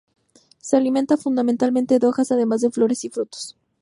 Se alimenta fundamentalmente de hojas, además de flores y frutos.